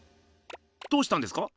どうしたんですか？